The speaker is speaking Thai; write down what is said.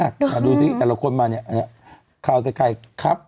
เครียดแล้วน่ะคือแบบ